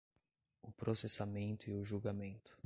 o processamento e o julgamento